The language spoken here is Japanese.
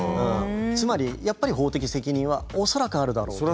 つまりやっぱり法的責任は恐らくあるだろうと。